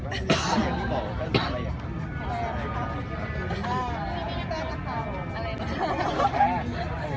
แม่กับผู้วิทยาลัย